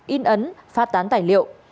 in ấn phát tán tài liệu